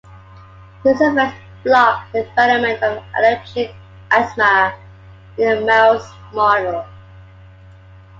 These effects block the development of allergic asthma in a mouse model.